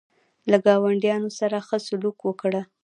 له چاونډیانو سره ښه سلوک وکړه.